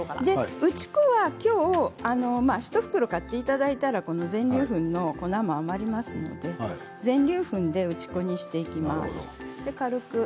打ち粉は今日１袋買っていただいたらこの全粒粉の粉も余りますので全粒粉で打ち粉にしていきます。